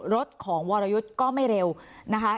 รถของวรยุทธ์ก็ไม่เร็วนะคะ